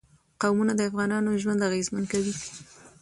قومونه د افغانانو ژوند اغېزمن کوي.